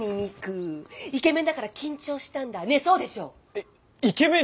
えイケメン